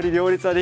で